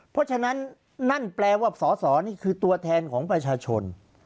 เพราะฉะนั้นนั่นแปลว่าสอสอนี่คือตัวแทนของประชาชน